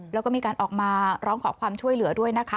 แล้วก็มีการออกมาร้องขอความช่วยเหลือด้วยนะคะ